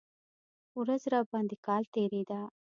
ورځ راباندې کال تېرېده.